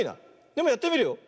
でもやってみるよ。